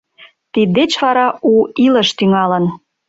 Тиддеч вара у илыш тӱҥалын.